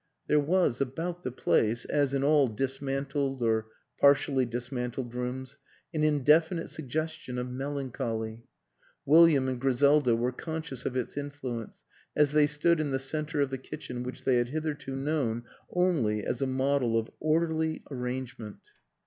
... There was about the place as in all dismantled or partially dismantled rooms an indefinite sug gestion of melancholy; William and Griselda were conscious of its influence as they stood in the center of the kitchen which they had hitherto known only as a model of orderly arrangement.